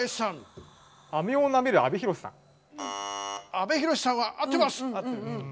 阿部寛さんは合ってます。